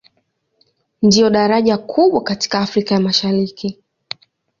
Ndilo daraja kubwa katika Afrika ya Mashariki.